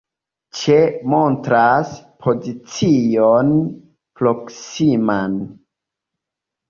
Ĉe montras pozicion proksiman.